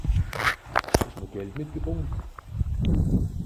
Hesch'm'r s'Gald mitgebrocht?